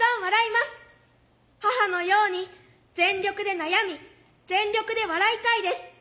母のように全力で悩み全力で笑いたいです。